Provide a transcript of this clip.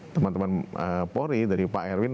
teman teman polri dari pak erwin